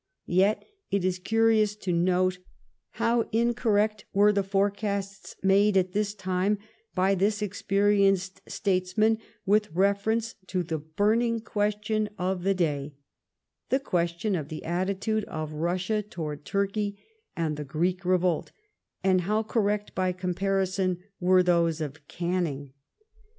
Yet it is curious to note how incorrect were the forecasts made at this time by this experienced statesman with reference to the burning question of the day, the ques tion of the attitude of Russia towards Turkey and the Greek revolt, and how correct by comparison were those of Canning.